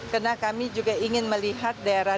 karena kami juga ingin melihat daerah